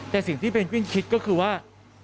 แต่สิ่งที่เพนกวินคิดก็คือว่า